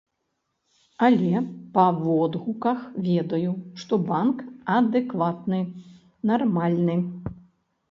Але па водгуках ведаю, што банк адэкватны, нармальны.